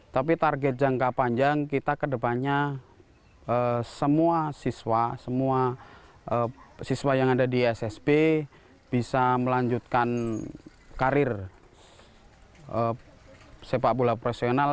tapi target jangka panjang kita kedepannya semua siswa semua siswa yang ada di ssb bisa melanjutkan karir sepak bola profesional